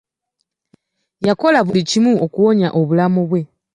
Yakola buli kimu okuwonya obulamu bwe.